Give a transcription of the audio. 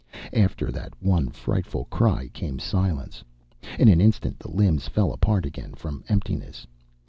After that one frightful cry came silence. In an instant the limbs fell apart again from emptiness.